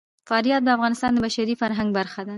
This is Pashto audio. فاریاب د افغانستان د بشري فرهنګ برخه ده.